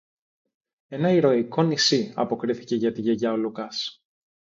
Ένα ηρωικό νησί, αποκρίθηκε για τη Γιαγιά ο Λουκάς.